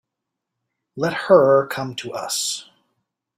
Let her come to us.